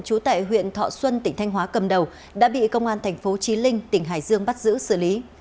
trú tại huyện thọ xuân tỉnh thanh hóa cầm đầu đã bị công an thành phố trí linh tỉnh hải dương bắt giữ xử lý